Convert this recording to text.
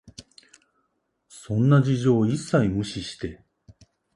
そんな事情を一切無視して、